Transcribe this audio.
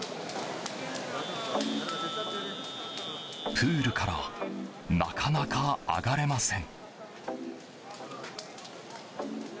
プールからなかなか上がれません。